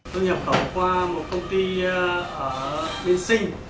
tôi nhập khẩu qua một công ty bên sinh